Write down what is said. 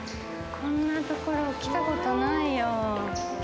こんなところ来たことないよ。